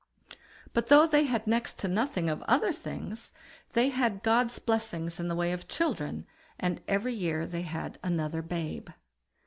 But though they had next to nothing of other things, they had God's blessing in the way of children, and every year they had another babe.